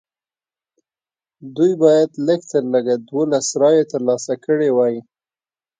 دوی باید لږ تر لږه دولس رایې ترلاسه کړې وای.